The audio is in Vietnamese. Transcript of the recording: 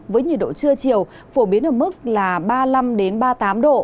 với nhiệt độ trưa chiều phổ biến ở mức là ba mươi năm ba mươi tám độ